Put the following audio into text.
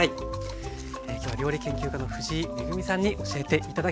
今日は料理研究家の藤井恵さんに教えて頂きました。